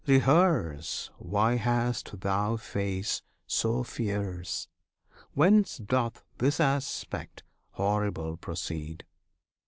rehearse Why hast Thou face so fierce? Whence doth this aspect horrible proceed?